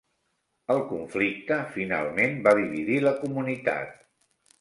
El conflicte finalment va dividir la comunitat.